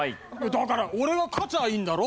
だから俺が勝ちゃいいんだろ？